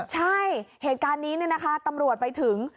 ใช่เหตุการณ์นี้ตำรวจไปถึง